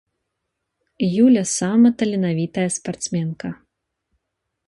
Юля сама таленавітая спартсменка.